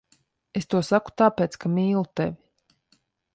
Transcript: Es to saku tāpēc, ka mīlu tevi.